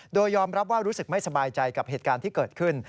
โดยยอมรับว่ารู้สึกไม่สบายใจกับเหตุการณ์ที่เกิดขึ้น